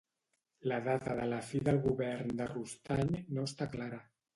La data de la fi del govern de Rostany no està clara.